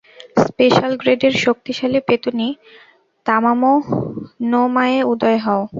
Special গ্রেডের শক্তিশালী পেতনী, তামামো-নো-মায়ে উদয় হও!